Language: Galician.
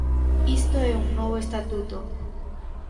Isto é, un novo estatuto.